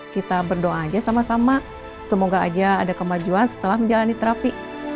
kita berdoa aja sama sama semoga aja ada kemajuan setelah menjalani terapi